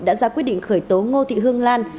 đã ra quyết định khởi tố ngô thị hương lan